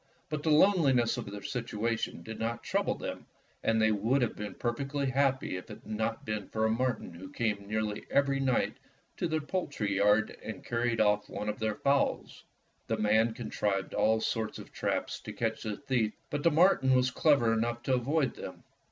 But the loneli ness of their situation did not trouble them, and they would have been perfectly happy if it had not been for a marten who came nearly every night to their poultry yard and carried off one of their fowls. The man contrived all sorts of traps to catch the thief, but the marten was clever enough to avoid them.